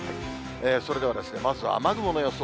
それでは、まずは雨雲の予想。